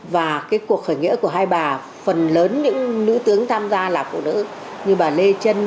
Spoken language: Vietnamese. và cái cuộc khởi nghĩa của hai bà phần lớn những nữ tướng tham gia là phụ nữ như bà lê trân